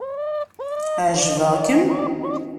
Ɛejbeɣ-kem?